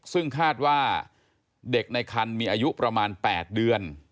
ซึ่งคาดว่าเด็กในคันมีอายุประมาณ๘เดือน